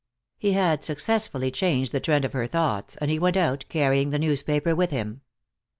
He had successfully changed the trend of her thoughts, and he went out, carrying the newspaper with him.